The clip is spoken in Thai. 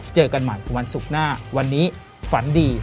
เจอกันใหม่วันศุกร์หน้าวันนี้ฝันดี